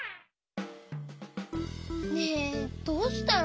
ねえどうしたの？